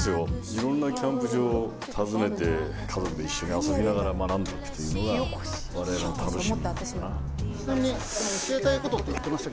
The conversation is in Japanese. いろんなキャンプ場訪ねて家族で一緒に遊びながら学んでいくというのがわれわれの楽しみ。